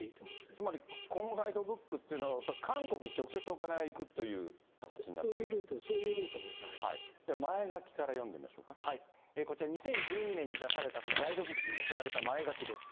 つまり、このガイドブックというのは、恐らく韓国に直接お金そういうルート、そういうル前書きから読んでみましょうこちら、２０１２年に出された、このガイドブックに載せられたまえがきです。